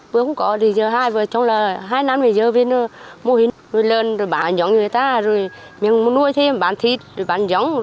bữa không có thì giờ hai hai năm bây giờ biển mô hình nuôi lợn bán giống người ta miếng nuôi thêm bán thịt bán giống